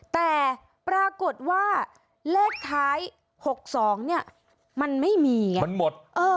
แต่ปรากฏว่าเลขท้าย๖๒เนี่ยมันไม่มีไงมันหมด